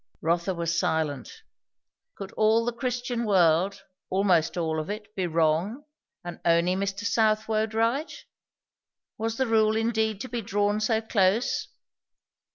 Rotha was silent. Could all the Christian world, almost all of it, be wrong, and only Mr. Southwode right? Was the rule indeed to be drawn so close?